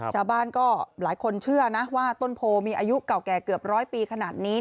ชาวบ้านก็หลายคนเชื่อนะว่าต้นโพมีอายุเก่าแก่เกือบร้อยปีขนาดนี้